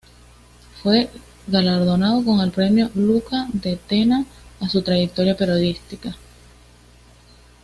Fue galardonado con el Premio Luca de Tena a su trayectoria periodística.